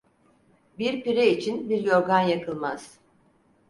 Bir pire için bir yorgan yakılmaz.